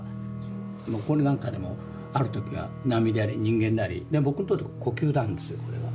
これなんかでもある時は波であり人間であり僕にとって呼吸なんですよこれは。